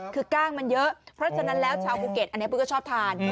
คือกล้างมันเยอะเพราะฉะนั้นแล้วชาวภูเก็ตอันนี้ปุ๊กก็ชอบทาน